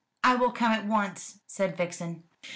"I will come at once," said Vixen.